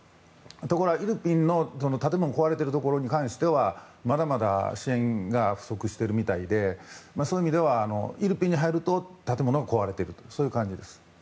ところが、イルピンの建物が壊れてるところに関してはまだまだ支援が不足しているみたいでそういう意味では、イルピンに入ると建物が壊れているとそういう感じです。